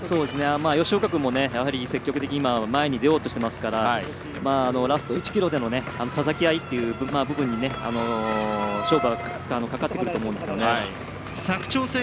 吉岡君も、積極的に前に出ようとしていますからラスト１ｋｍでのたたき合いという部分で勝負はかかってくると思うんですけどね。